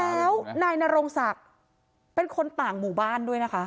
แล้วนายนรงศักดิ์เป็นคนต่างหมู่บ้านด้วยนะคะ